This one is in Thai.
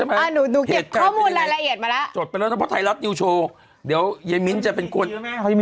นัฐพละซ้อมไปแล้วใช่ไหม